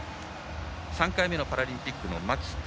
３回目のパラリンピック、蒔田。